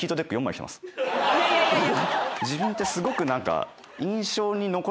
自分ってすごく。